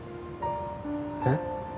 えっ？